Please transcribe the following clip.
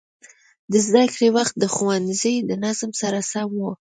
د زده کړې وخت د ښوونځي د نظم سره سم و.